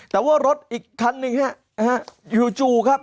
แต่ว่ารถอีกคันหนึ่งจู่ครับ